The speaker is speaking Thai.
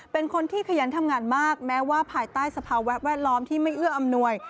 เป็นคนที่ขยันทำงานมากแม้ว่าภายใต้สภาวะแวดล้อมที่ไม่เอื้ออำนวย